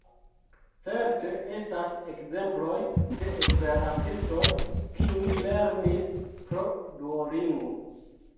Certe estas ekzemploj de esperantistoj kiuj lernis pro Duolingo.